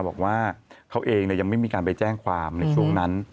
บอกว่าเขาเองยังไม่มีการไปแจ้งความในช่วงนั้น